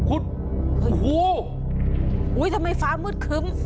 อุ๊ยทำไมฟ้ามืดขึ้ม